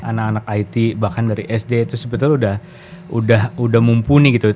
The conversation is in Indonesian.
anak anak it bahkan dari sd itu sebetulnya udah mumpuni gitu